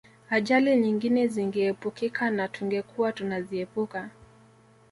Ajali nyingine zingeepukika na tungekuwa tunaziepuka